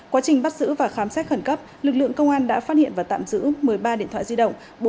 quá trình bắt giữ và khám xét khẩn cấp lực lượng công an đã phát hiện và tạm giữ một mươi ba điện thoại di động